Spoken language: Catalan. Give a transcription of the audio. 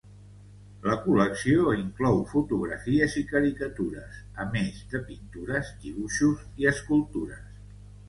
La col·lecció inclou fotografies i caricatures, a més de pintures, dibuixos i escultures.